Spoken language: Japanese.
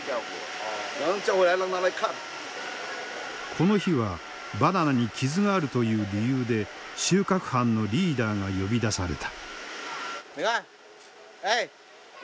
この日はバナナに傷があるという理由で収穫班のリーダーが呼び出された。